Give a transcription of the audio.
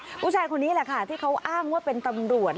ผู้ชายคนนี้แหละค่ะที่เขาอ้างว่าเป็นตำรวจ